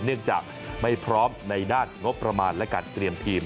เนื่องจากไม่พร้อมในด้านงบประมาณและการเตรียมทีม